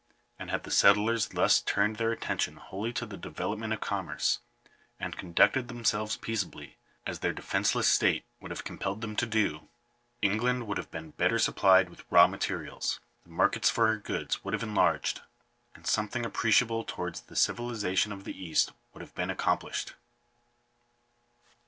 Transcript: And had the settlers thus turned their attention wholly to the development of commerce, and con ducted themselves peaceably, as their defenceless state would have compelled them to do, England would have been better supplied with raw materials, the markets for her goods would have enlarged, and something appreciable towards the civiliza tion of the East would have been accomplished.